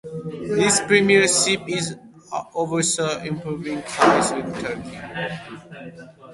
His premiership also oversaw improving ties with Turkey.